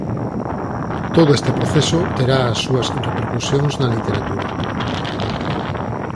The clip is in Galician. Todo este proceso terá as súas repercusións na literatura.